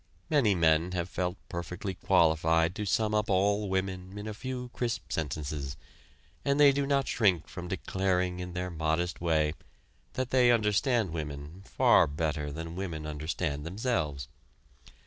Many men have felt perfectly qualified to sum up all women in a few crisp sentences, and they do not shrink from declaring in their modest way that they understand women far better than women understand themselves.